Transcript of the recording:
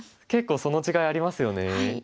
結構その違いありますよね。